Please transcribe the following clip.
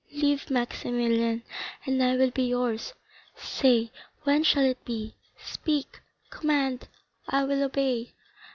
Live, Maximilian, and I will be yours. Say when shall it be? Speak, command, I will obey."